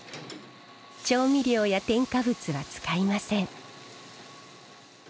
調味料や添加物は使いません。